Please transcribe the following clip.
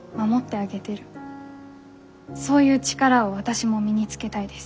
そういう力を私も身につけたいです。